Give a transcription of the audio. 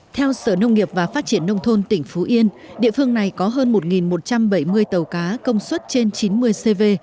theo sở nông nghiệp và phát triển nông thôn tỉnh phú yên địa phương này có hơn một một trăm bảy mươi tàu cá công suất trên chín mươi cv